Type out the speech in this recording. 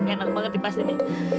ah enak banget dipas ini